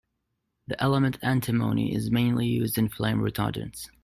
The element antimony is mainly used in flame retardants.